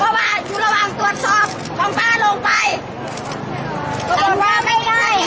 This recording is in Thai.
อาหรับเชี่ยวจามันไม่มีควรหยุด